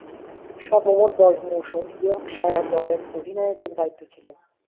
সর্বমোট দশ মৌসুম ইয়র্কশায়ার দলের অধিনায়কের দায়িত্বে ছিলেন।